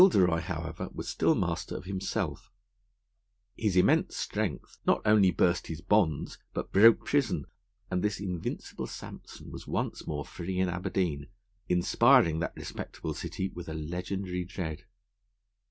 Gilderoy, however, was still master of himself. His immense strength not only burst his bonds, but broke prison, and this invincible Samson was once more free in Aberdeen, inspiring that respectable city with a legendary dread.